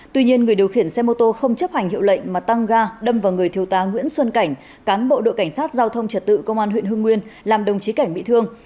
tuy nhiên người điều khiển xe mô tô không chấp hành hiệu lệnh mà tăng ga đâm vào người thiêu tá nguyễn xuân cảnh cán bộ đội cảnh sát giao thông trật tự công an huyện hưng nguyên làm đồng chí cảnh bị thương